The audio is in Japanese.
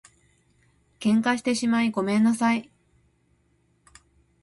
喧嘩してしまいごめんなさい